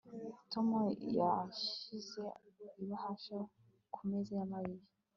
Tom yashyize ibahasha ku meza ya Mariya